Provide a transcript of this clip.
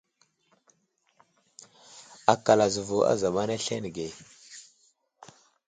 Akal azəvo a zamana aslane ge.